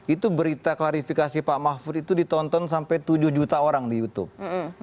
itu berita klarifikasi pak mahfud itu ditonton sampai tujuh juta orang di youtube